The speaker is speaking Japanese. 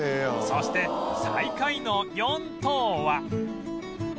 そして最下位の４等は